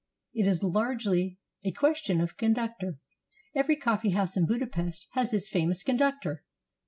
It is largely a question of conductor. Every coffee house in Budapest has its famous conductor.